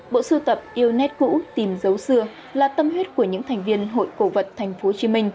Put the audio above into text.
bộ sưu tập yêu nét cũ tìm dấu xưa là tâm huyết của những thành viên hội cổ vật tp hcm